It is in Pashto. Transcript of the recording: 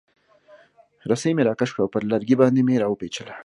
رسۍ مې راکش کړه او پر لرګي باندې مې را وپیچله.